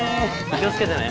気を付けてね。